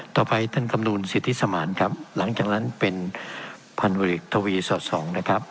ต่อไปตั้งกำหนูนสิทธิสมารครับหลังจากนั้นเป็นพันวิทยุทธวีสอดสองนะครับ